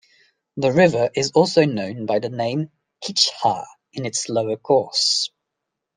The river is also known by the name, "Kichha", in its lower course.